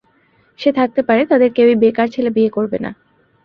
সে থাকতে পারে, তাদের কেউই বেকার ছেলে বিয়ে করবে না।